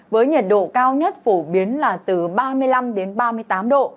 với nhiệt độ cao nhất phổ biến là từ ba mươi năm đến ba mươi tám độ